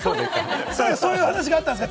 そういう話があったんですか？